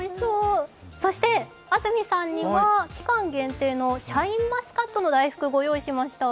そして安住さんにも期間限定のシャインマスカットの大福御用意しました。